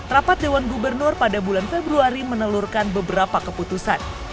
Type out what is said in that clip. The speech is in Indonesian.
rapat dewan gubernur pada bulan februari menelurkan beberapa keputusan